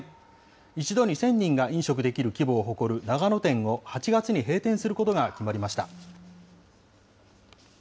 一度に１０００人が飲食できる規模を誇る長野店を８月に閉店することが決まりました。